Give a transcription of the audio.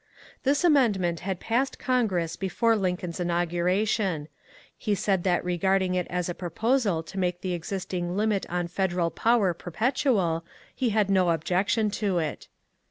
This amendment had passed Congress before Lincoln's in auguration ; he said that regarding it as a proposal to make the existing limit on Federal power perpetual, he had no objec tion to it.